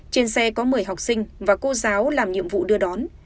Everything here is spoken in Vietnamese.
trên xe có một mươi học sinh và cô giáo làm nhiệm vụ đưa đón